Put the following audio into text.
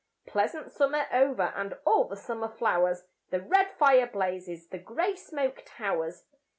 Pleasant summer over And all the summer flowers, The red fire blazes, The grey smoke towers.